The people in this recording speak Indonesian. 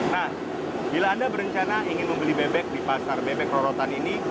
nah bila anda berencana ingin membeli bebek di pasar bebek rorotan ini